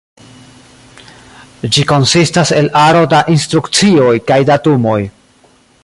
Ĝi konsistas el aro da instrukcioj kaj datumoj.